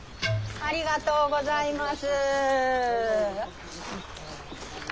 ありがとうございます。